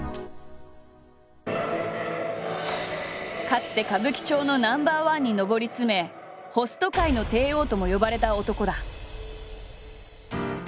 かつて歌舞伎町のナンバーワンに上り詰め「ホスト界の帝王」とも呼ばれた男だ。